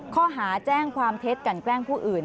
ข้อหาแจ้งความเท็จกันแกล้งผู้อื่น